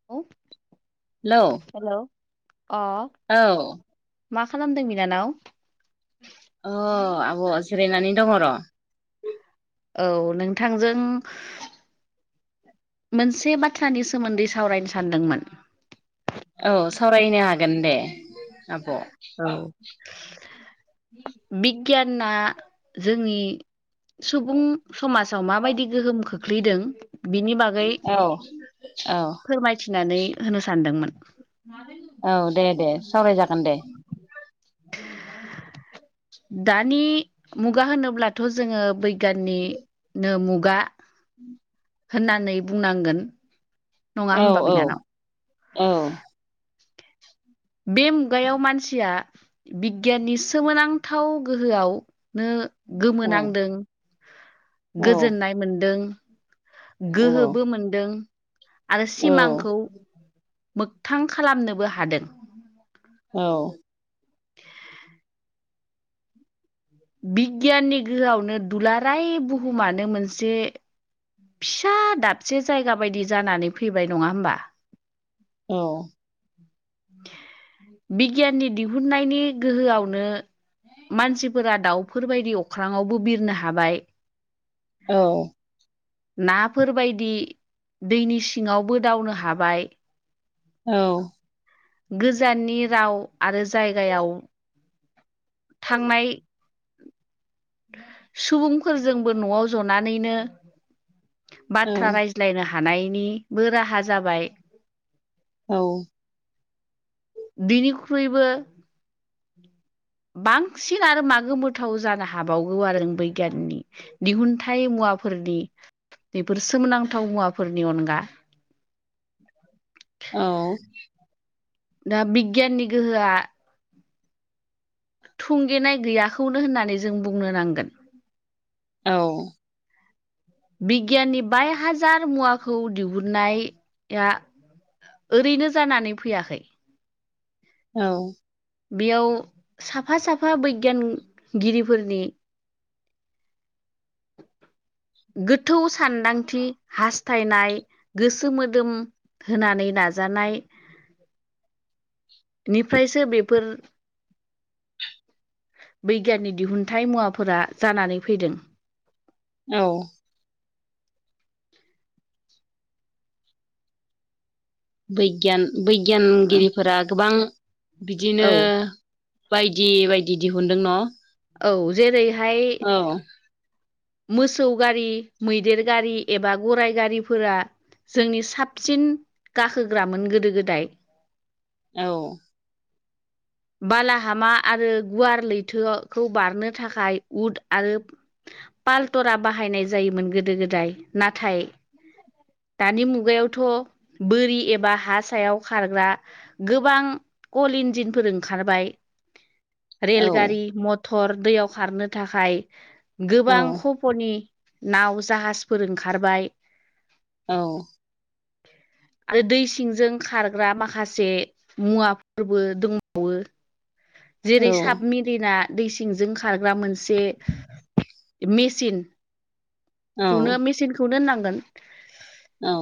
[inaudible] हेल' हेल' अ औ मा खालामदों बिनानाव अ आब' जिरायनानै दङ र' औ नोंथांजों मोनसे बाथ्रानि सोमोन्दै सावरायनो सानदोंमोन औ सावरायनो हागोन दे आब' औ बिगियाना जोंनि सुबुं समाजाव माबायदि गोहोम खोख्लैदों बिनि बागै औ औ फोरमायथिनानै होनो सानदोंमोन औ दे दे सावराय जागोन दे दानि मुगा होनोब्लाथ' जोङो ब बिगियाननिनो मुगा होननानै बुंनांगोन नङा होमबा औ बिनानाव औ औ बे मुगायाव मानसिया बिगियाननि सोमोनांथाव गोहोआव नो औ गोमोनांदों औ गोजोननाय मोनदों गोहोबो मोनदों आरो औ सिमांखौ मोगथां खालामनोबो हादों। औ। बिगियाननि गोहोआवनो दुलाराय बुहुमानो मोनसे फिसा दाबसे जायगा बायदि जानानै फैबाय नङा होमबा? औ। बिगियाननि दिहुननायनि गोहोआवनो मानसिफोरा दाउफोरबायदि अख्राङावबो बिरनो हाबाय। औ। नाफोरबायदि दैनि सिङावबो दावनो हाबाय औ। गोजाननि राव आरो जायगायाव थांनाय सुबुंफोरजोंबो न'आव जनानैनो औ बाथ्रा राय लायनो हानायनिबो राहा जाबाय। औ। बेनिख्रुइबो बांसिन आरो मा गोथाव जानो हाबावगौ आरो ओ बैग्याननि दिहुनथाइ मुवाफोरनि बेफोर सोमोनांथाव मुवाफोरनि अनगा औ दा बिगियाननि गोहोआ थुंगेनाय गैयाखौनो होननानै जों बुंनो नांगोन। औ। बिगियाननि बाय हाजार मुवाखौ दिहुननाया ओरैनो जानानै फैयाखै। औ। बेयाव साफा साफा बैगियानगिरिफोरनि गोथौ सानदांथि हास्थायनाय गोसो मोदोम होनानै नाजानाय निफ्रायसो बेफोर बिगियाननि दिहुनथाइ मुवाफोरा जानानै फैदों। औ। बैगियान बैगियानगिरिफोरा गोबां औ बिदिनो बायदि बायदि दिहुनदों न'? औ जेरैहाय औ। मोसौ गारि मैदेर गारि एबा गराइ गारिफोरा जोंनि साबसिन गाखोग्रामोन गोदो गोदाय। औ। बालाहामा आरो गुवार लैथोखौ बारनो थाखाय उट आरो पालटरा बाहायनाय जायोमोन गोदो गोदाय नाथाय दानि मुगायावथ' बोरि एबा हा सायाव खारग्रा गोबां गल इन्जिन फोरों ओंबाय रेलगारि मथर दैयाव खारनो थाखाय औ गोबां कफ'नि नाव जाहाजफोर ओंखारबाय। औ। [inaudible] आरो दै सिंजों खारग्रा माखासे मुवाफोरबो दं बावो जेरै औ साबमेरिना दै सिंजों खारग्रा मोन से औ मेचिनखौनो मेचिन खौनो होननांगोन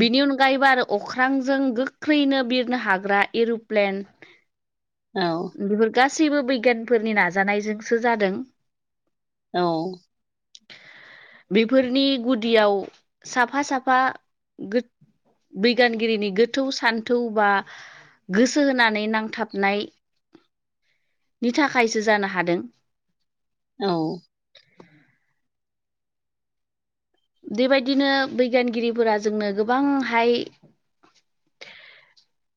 बेनि अनगायैबो आरो अख्रांजों गोख्रैनो बिरनो हाग्रा एर'प्लेन औ बेफोर गासैबो बिगियानफोरनि नाजानायजोंसो जादों औ [inaudible] बेफोरनि गुदियाव साफा साफा बिगियानगिरिनि गोथौ सान्थौ बा गोसो होनानै नांथाबनाय नि थाखायसो जानो हादों औ बेबायदिनो बिगियानगिरिफोरा जोंनो गोबांहाय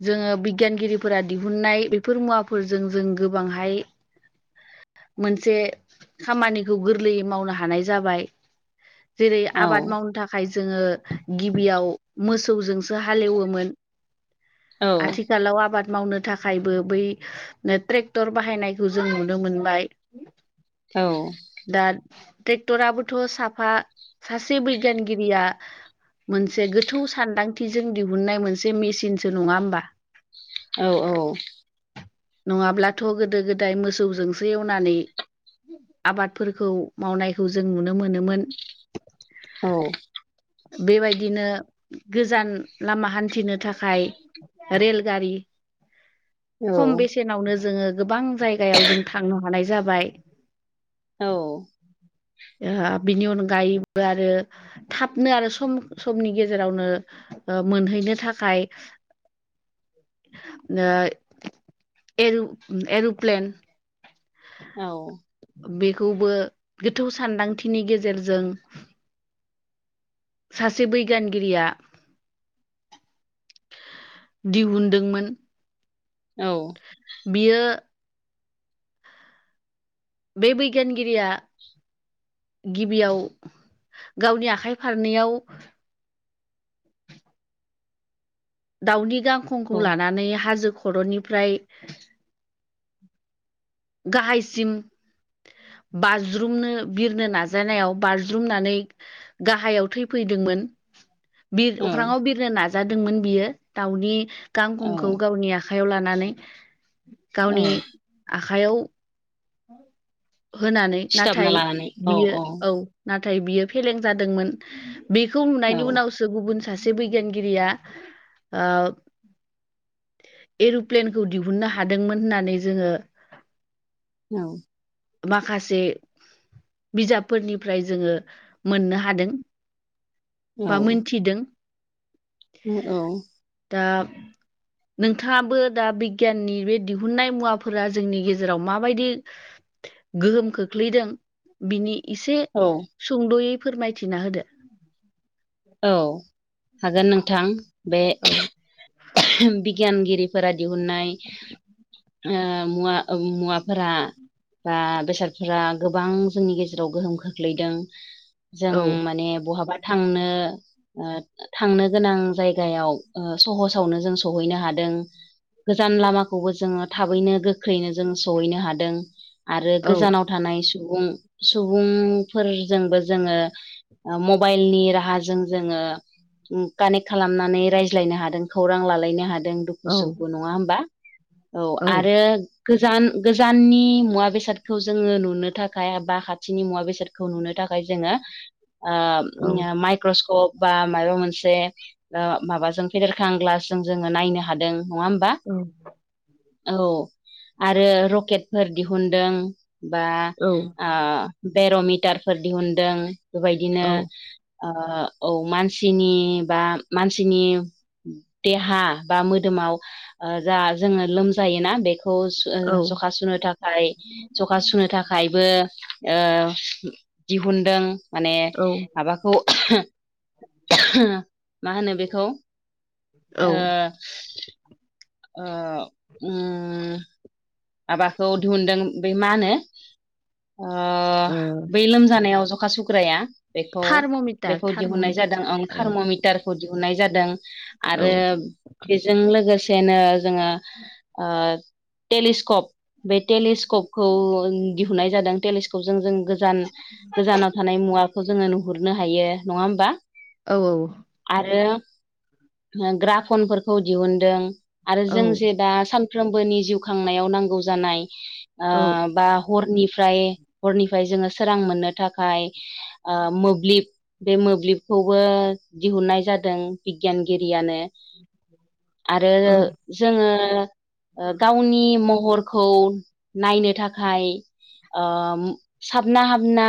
जोङो बिगियानगिरिफोरा दिहुननाय बेफोर मुवाफोरजों जों गोबांहाय मोनसे खामानिखौ गोरलैयै मावनो हानाय जाबाय जेरै आबाद मावनो था खाय जोङो गिबियाव मोसौजोंसो हालेवोमोन औ आथि खालाव आबाद मावनो थाखायबो बै ट्रेक्टर बाहायनायखौ जों नुनो मोनबाय औ दा ट्रेक्टराबोथ' साफा सासे बिगियानगिरिया मोनसे गोथौ सानदांथिजों दिहुननाय मोनसे मेचिनसो नङा होमबा? औ औ नङाब्लाथ' गोदो गोदाय मोसौजोंसो एवनानै आबादफोरखौ मावनायखौ जों नुनो मोनोमोन औ बेबायदिनो गोजान लामा हान्थिनो थाखाय रेलगारि खम बेसेनावनो जोङो गोबां जायगायाव जों थांनो हानाय जाबाय औ बिनि अनगायैबो आरो थाबनो आरो सम समनि गेजेरावनो ओ मोनहैनो थाखाय नो एर' एर'प्लेन औ बेखौबो गोथौ सानदांथिनि गेजेरजों सासे बैगिानगिरिया दिहुनदोंमोन औ बियो बे बैगियानगिरिया गिबियाव गावनि आखाइ फारनैयाव दाउनि गांखंखौ लानानै हाजो खर'निफ्राय गाहायसिम बाज्रुमनो बिरनो नाजानायाव बाज्रुमनानै गाहायाव थैफैदोंमोन बिर औ अख्राङाव बिरनो नाजादोंमोन बियो दाउनि औ गांखंखौ गावनि आ खाइयाव लानानै औ गावनि आखाइयाव होनानै सिथाबना नाथाय लानानै औ बियो औ नाथाय बियो फेलें जादोंमोन बेखौ औ नुनायनि उनाव सो‌ गुबुन सासे बिगियानगिरिया एर'प्लेनखौ दिहुननो हादोंमोन होननानै जोङो औ माखासे बिजाबफोरनिफ्राय जोङो मोननो हादों औ। थिदों औ। दा नोंथाङाबो दा बिगियाननि बे दिहुननाय मुवाफोरा जोंनि गेजेराव मा माबायदि गोहोम खोख्लैदों बिनि एसे औ। सुंद'यै फोरमायथिना होदो औ हागोन नोंथां। बे औ। बिगियानगिरिफोरा दिहुननाय ओ मुवा मुवाफोरा बा बेसादफोरा गोबां जोंनि गेजेराव गोहोम खोख्लैदों। जों औ माने बहाबा नो थांनो गोनां जायगायाव सहस फोसावनो जों सहैनो हादों। गोजान लामाखौबो जोङो थाबैनो गोख्रैनो जोंङो सहैनो हादों आरो औ गोजानाव थानाय सुबुं सुबुंफोरजोंबो जोङो मबाइलनि राहाजों जोङो कानेक्ट खालामनानै रायज्लायनो हादों। खौरां लालायनो हादों औ दुखु सुखु नङा होमबा औ आरो गोजान गोजाननि मुवा बेसादखौ जोङो नुनो थाखाय बा खाथिनि मुवा बेसादखौ नुनो थाखाय जोङो ओ औ माइक्रस्कप बा माबा मोनसे ओ माबाजों फेदेर ग्लासजों जोङो नायनो हादों नङा होमबा। औ आरो रकेटफोर दिहुुनदों बा औ आ बेर'म मिटारफोर दिहुनदों बेबायदिनो ओ औ मानसिनि बा मानसिनि देहा बा मोदोमाव जा जोङो लोमजायोना बेखौ थ औ जखा सुुनो था थाखाय जखा सुनो थाखायबो ओ दिहुनदों माने माबाखौ मा होनो बेखौ ओ औ। ओ उम माबाखौ दिहुनदों बे मा होनो ओ ओ बै लोमजानायाव जखा सुग्राया बेखौ थार्म'मिटार बेखौ थार्म' दिहुननाय जादों आं औ थार्म'मिटार खौ दिहुननाय जादों औ आरो बेजों लोगोसे नो जोङो ओ टेलिस्कप बे टेलिस्कप दिहुननाय जादों टेलिस्कपजों जों गोजान गोजानाव थानाय मुवाखौ जोङो नुहुरनो हायो नङा होमबा औ औ। आरो ग्राफनफोरखौ दिहुनदों। आरो औ जों जे दा सानफ्रोमबोनि जिउ खांनायाव नांगौ जानाय औ बा हनिफ्राय हरनिफ्राय जोङो सोरां मोननो थाखाय ओ मोब्लिब बे मोब्लिबखौबो दिहुननाय जादों बिगियानगिरियानो आरो जोङो गावनि महरखौ नायनो थाखाय ओ साबना हाबना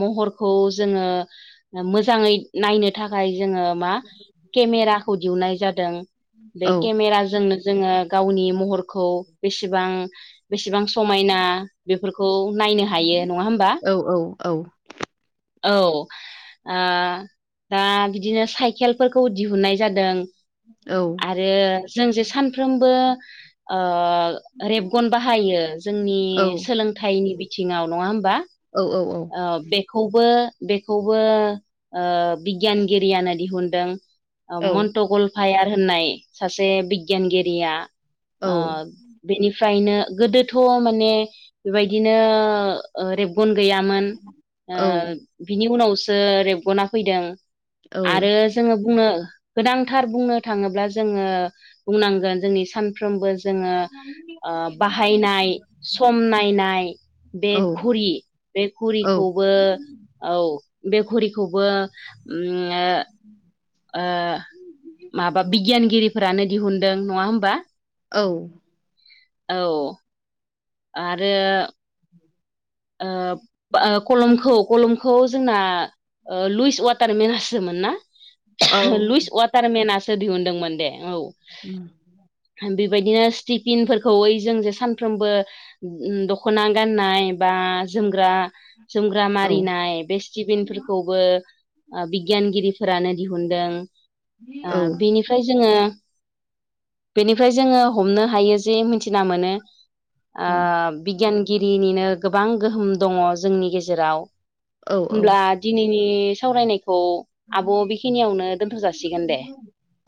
महरखौ जोङो मोजाङै नायनो थाखाय जोङो मा केमेराखौ दिहुननाय जादों बे औ केमेरा जोंनो जोङो गावनि महरखौ बेसेबां बेसेबां समायना बेफोरखौ नायनो हायो नङा होमबा। औ औ औ। ओ दा बिदिनो साइकेलफोरखौ दिहुननाय जादों। औ। जे जों जे सानफ्रोमबो ओ रेबगन बाहायो जोंनि सोलोंथाइनि बिथिङाव नङा होमबा? औ औ औ। अ द बेखौबो बेखौबो बिगियानगिरियानो दिहुनदों। मन्ट' गलफायार होननाय सासे बिगियानगिरिया। ओ बेनिफ्रायनो गोदोथ' माने बेबायदिनो ओ रेबगन गैयामोन बिनि उनावसो रेबगना फैदों। औ आरो जोङो बुंनो गोनांथार बुंनो थाङोब्ला जोङो बुंनांगोन जोंनि सानफ्रोमबो जोङो बाहायनाय सम नायनाय बे घुरि बे घुरिखौबो औ बे घरिखौबो ओ माबा बिगियानगिरिफोरानो दिहुनदों, नङा होमबा? औ। औ। आरो। [inaudible] ओ कलमखौ कलमखौ जोंना लुइस वाटार मेनाससोमोन ना? लुइस वाटार थारमेनासो दिहुनदोंमोन दे औ उम बेबायदिनो स्टिफिनफोरखौ ओइ जों जे सानफ्रोमबो दखना गाननाय बा जोमग्रा जोमग्रा मारिनाय, बेेस्टिबिनफोरखौबो बिगियानगिरिफोरानो दिहुनदों, ओ बेनि ओमफ्राय जोङो बेनिफ्राय जोङो हमनो हायो जे मिथिना मोनो बिगियानगिरिनिनो गोबां गोहोम दङ जोंनि गेजेराव। औ औ होनब्ला दिनैनि सावरायनायखौ आब' बेखिनियावनो दोनथ' जासिगोन दे।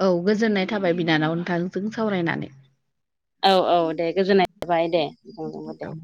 औ गोजोननाय थाबाय बिनानाव नोंथांजों सावरायनानै। औ औ दे गोजोननाय जाबाय दे नोंथांदोंबो दे। औ